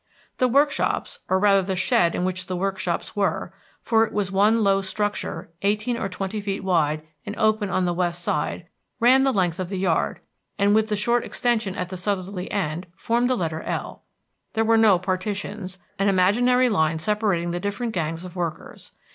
The workshops or rather the shed in which the workshops were, for it was one low structure eighteen or twenty feet wide and open on the west side ran the length of the yard, and with the short extension at the southerly end formed the letter L. There were no partitions, an imaginary line separating the different gangs of workers.